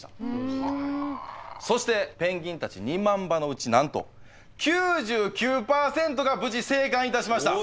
そしてペンギンたち２万羽のうちなんと９９％が無事生還いたしました！